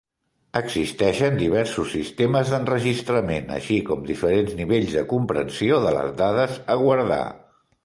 Existeixen diversos sistemes d'enregistrament, així com diferents nivells de compressió de les dades a guardar.